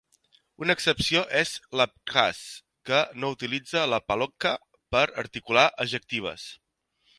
Una excepció és l'abkhaz, que no utilitza la palochka per articular ejectives.